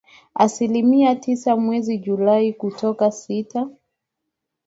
asilimia tisa mwezi Julai kutoka sita